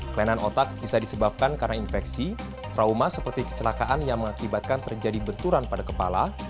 kelainan otak bisa disebabkan karena infeksi trauma seperti kecelakaan yang mengakibatkan terjadi benturan pada kepala